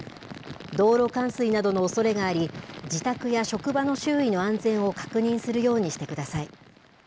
道路冠水などのおそれがあり、自宅や職場の周囲の安全を確認するようにしてください。